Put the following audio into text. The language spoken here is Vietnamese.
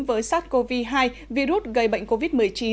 với sars cov hai virus gây bệnh covid một mươi chín